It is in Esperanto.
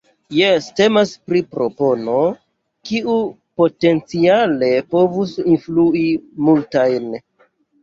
Jes, temas pri propono, kiu potenciale povus influi multajn.